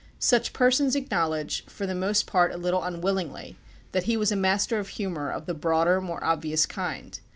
Such persons acknowledge, for the most part a little unwillingly, that he was a master of humour of the broader, more obvious kind.